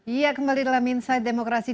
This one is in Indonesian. iya kembali dalam insight demokrasi